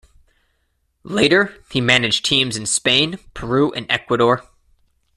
Later, he managed teams in Spain, Peru and Ecuador.